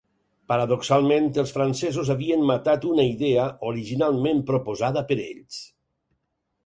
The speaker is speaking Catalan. Paradoxalment, els francesos havien matat una idea originalment proposada per ells.